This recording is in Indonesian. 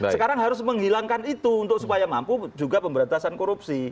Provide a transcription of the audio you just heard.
sekarang harus menghilangkan itu untuk supaya mampu juga pemberantasan korupsi